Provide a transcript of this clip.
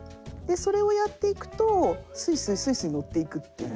それをやっていくとスイスイスイスイ乗っていくっていう。